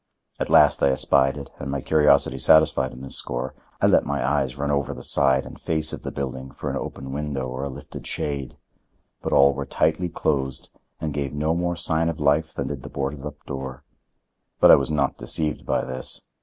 At last I espied it, and, my curiosity satisfied on this score, I let my eyes run over the side and face of the building for an open window or a lifted shade. But all were tightly closed and gave no more sign of life than did the boarded up door. But I was not deceived by this.